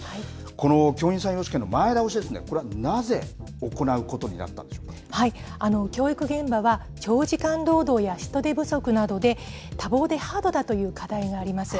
この教員採用試験の前倒しですね、教育現場は、長時間労働や人手不足などで、多忙でハードだという課題があります。